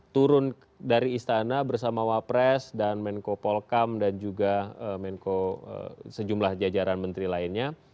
turun dari istana bersama wapres dan menko polkam dan juga menko sejumlah jajaran menteri lainnya